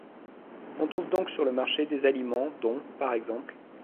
On trouve donc sur le marché des aliments dont, p.ex.